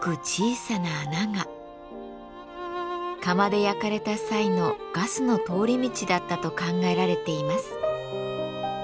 窯で焼かれた際のガスの通り道だったと考えられています。